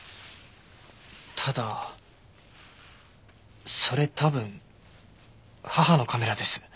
ただそれ多分母のカメラです。